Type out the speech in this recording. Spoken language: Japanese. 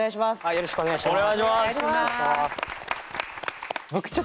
よろしくお願いします。